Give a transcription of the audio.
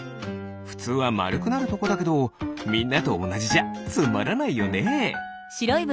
ふつうはまるくなるとこだけどみんなとおなじじゃつまらないよね。